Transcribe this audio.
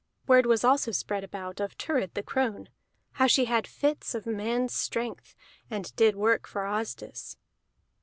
Word was also spread about of Thurid the crone: how she had fits of man's strength, and did work for Asdis.